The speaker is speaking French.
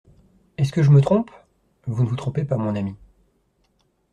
Est-ce que je me trompe ? Vous ne vous trompez pas, mon ami.